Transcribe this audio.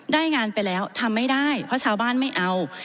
ได้งานไปแล้วทำไม่ได้เพราะชาวบ้านไม่เอา